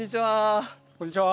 こんにちは。